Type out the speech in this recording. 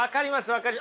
分かり。